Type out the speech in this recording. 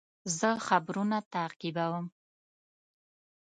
زه خبرونه تعقیبوم.